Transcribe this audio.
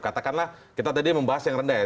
katakanlah kita tadi membahas yang rendah ya